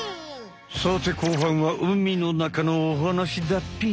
さて後半は海の中のおはなしだっぴ！